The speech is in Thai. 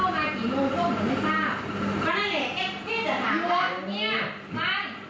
วันนี้คลาดลอะ